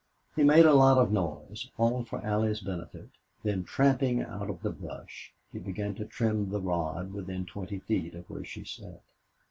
He made a lot of noise all for Allie's benefit; then, tramping out of the brush, he began to trim the rod within twenty feet of where she sat.